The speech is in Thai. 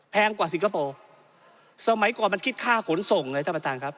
กว่าสิงคโปร์สมัยก่อนมันคิดค่าขนส่งเลยท่านประธานครับ